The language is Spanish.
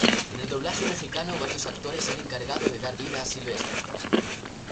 En el doblaje mexicano varios actores se han encargado de dar vida a Silvestre.